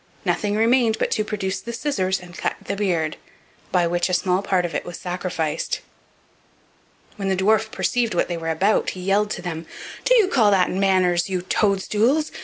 Nothing remained but to produce the scissors and cut the beard, by which a small part of it was sacrificed. When the dwarf perceived what they were about he yelled to them: "Do you call that manners, you toad stools!